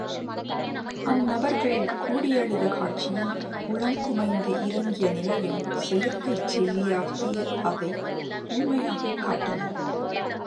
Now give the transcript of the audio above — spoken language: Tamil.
அந் நண்பர்கள் கூடியழுத காட்சியும் உளங்குமைந்து இரங்கிய நிலையும் செயற்கைச் செய்தியாகிய அதை, உண்மையாகக் காட்டின.